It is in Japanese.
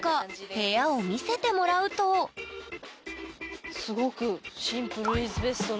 部屋を見せてもらうとすごくシンプルイズベストな。